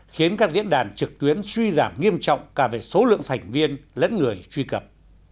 khiến các diễn đàn trực tuyến suy giảm nghiêm trọng cả về số lượng thành viên lẫn người truy cập